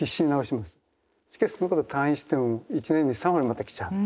しかしその方退院しても１年に３割また来ちゃう。